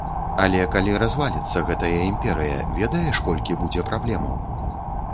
Але калі разваліцца гэтая імперыя, ведаеш, колькі будзе праблемаў?